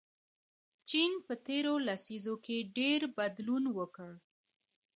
چین په تیرو لسیزو کې ډېر بدلون وکړ.